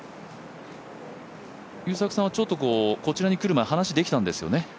優作さんは、ちょっとこちらに来る前、話したんですよね？